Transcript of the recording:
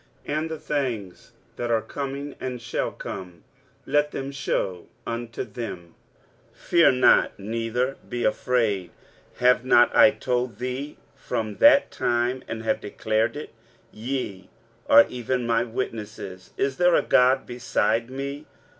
and the things that are coming, and shall come, let them shew unto them. 23:044:008 Fear ye not, neither be afraid: have not I told thee from that time, and have declared it? ye are even my witnesses. Is there a God beside me?